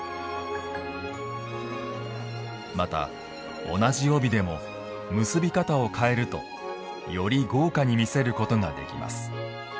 また同じ帯でも結び方を変えるとより豪華に見せることができます。